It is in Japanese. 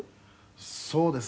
「そうですね」